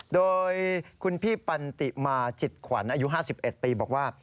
โดยคุณพี่ปันติมาจิตขวัญอายุ๕๑ปีบอกว่า